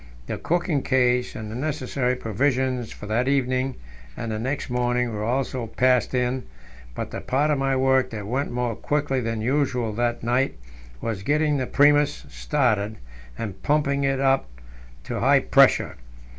The cooking case and the necessary provisions for that evening and the next morning were also passed in; but the part of my work that went more quickly than usual that night was getting the Primus started, and pumping it up to high pressure.